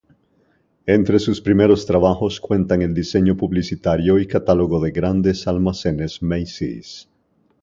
Entre sus primeros trabajos cuentan el diseño publicitario y catálogos de grandes almacenes Macy's.